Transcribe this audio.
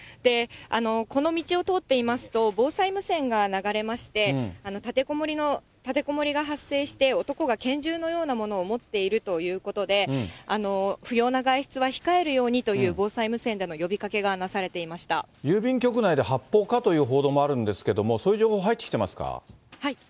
この道を通っていますと、防災無線が流れまして、立てこもりが発生して男が拳銃のようなものを持っているということで、不要な外出は控えるようにという防災無線での呼びかけがなされて郵便局内で発砲かという報道もあるんですけども、そういう情報、入ってきてますか。